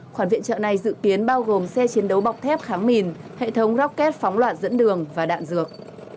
khoản viện trợ này dự kiến bao gồm xe chiến đấu bọc thép kháng mìn hệ thống rocket phóng loạn dẫn đường và đạn dược